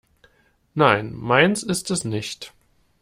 Nein, meins ist es nicht.